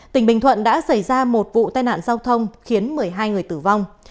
tỉnh bình thuận đã xảy ra một vụ tai nạn giao thông khiến một mươi hai người tử vong